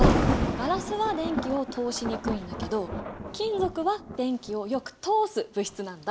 ガラスは電気を通しにくいんだけど金属は電気をよく通す物質なんだ。